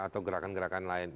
atau gerakan gerakan lain